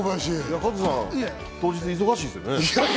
加藤さん、当日忙しいですよね？